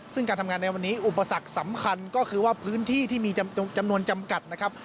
ซึ่งการทำงานในวันนี้อุปสรรคสำคัญก็คือว่าพื้นที่ที่มีจำนวนจำกัดนะครับ